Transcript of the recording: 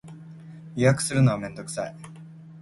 予約するのはめんどくさい